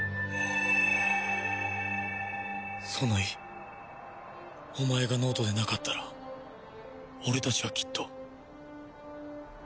ソノイお前が脳人でなかったら俺たちはきっと